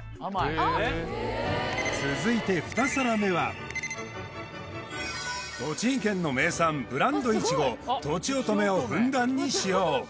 へえ続いて２皿目は栃木県の名産ブランドいちごとちおとめをふんだんに使用